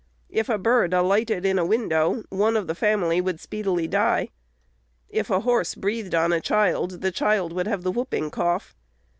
If a bird alighted in a window, one of the family would speedily die. If a horse breathed on a child, the child would have the whooping cough.